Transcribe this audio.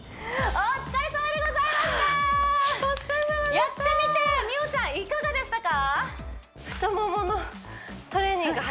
お疲れさまでしたやってみて美桜ちゃんいかがでしたか？